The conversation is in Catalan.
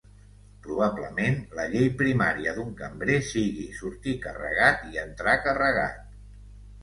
Probablement la llei primària d'un cambrer sigui sortir carregat i entrar carregat.